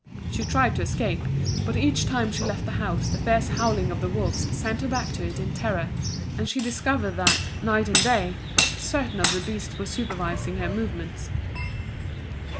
She tried to escape, but each time she left the house the fierce howling of the wolves sent her back to it in terror, and she discovered that, night and day, certain of the beasts were supervising her movements.